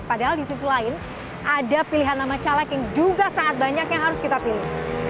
padahal di sisi lain ada pilihan nama caleg yang juga sangat banyak yang harus kita pilih